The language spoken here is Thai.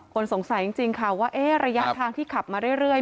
คนสงสัยจริงจริงค่ะว่าเอ๊ะระยะทางที่ขับมาเรื่อยเรื่อย